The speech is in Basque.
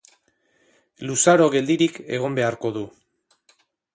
Luzaro geldirik egon beharko du.